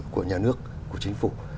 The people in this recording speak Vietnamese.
của nhà nước của chính phủ